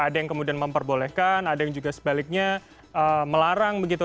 ada yang kemudian memperbolehkan ada yang juga sebaliknya melarang begitu